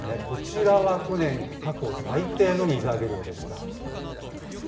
こちらは去年、過去最低の水揚げ量でした。